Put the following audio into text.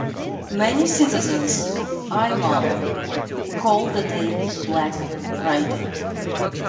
Many citizens of Eyemouth call the day Black Friday.